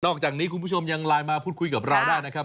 จากนี้คุณผู้ชมยังไลน์มาพูดคุยกับเราได้นะครับ